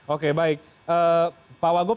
oke baik pak wagup